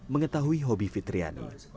mengetahui hobi fitriani